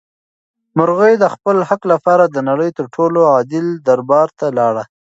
مرغۍ د خپل حق لپاره د نړۍ تر ټولو عادل دربار ته لاړه.